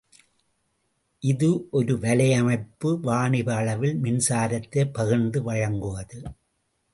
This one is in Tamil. இது ஒருவலையமைப்பு வாணிப அளவில் மின்சாரத்தைப் பகிர்ந்து வழங்குவது.